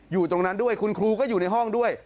อยู่ตรงนั้นด้วยคุณครูก็อยู่ในห้องด้วย